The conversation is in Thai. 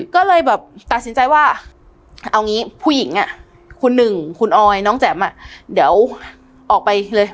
ก็เลยแบบตัดสินใจว่าเอางี้ผู้หญิงคุณหนึ่งคุณออยน้องแจ๋มเดี๋ยวออกไปเลย